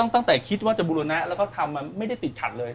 ตั้งแต่คิดว่าจะบุรณะแล้วก็ทำไม่ได้ติดขัดเลย